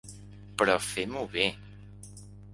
Però fem-ho bé.